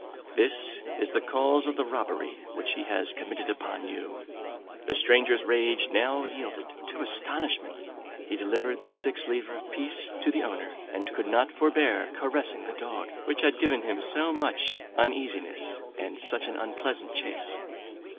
This is the cause of the robbery which he has committed upon you.' The stranger's rage now yielded to astonishment; he delivered the six livre piece to the owner, and could not forbear caressing the dog which had given him so much uneasiness, and such an unpleasant chase."